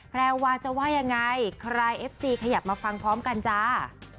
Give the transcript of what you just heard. แพรวาจะว่ายังไงใครเอฟซีขยับมาฟังพร้อมกันจ้า